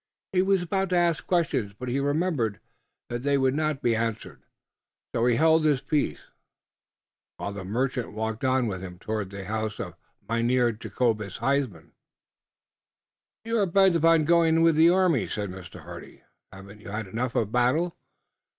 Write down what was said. He was about to ask questions, but he remembered that they would not be answered, and so he held his peace, while the merchant walked on with him toward the house of Mynheer Jacobus Huysman. "You are bent upon going with the army?" said Mr. Hardy. "Haven't you had enough of battle?